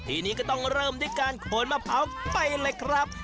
ทีนี้ก็ต้องเริ่มด้วยการโขนมะพร้าวไปเลยครับ